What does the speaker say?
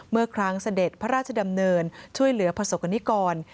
เมื่อครั้งเสด็จพระราชดำเนินช่วยเหลือประสบกรณิกร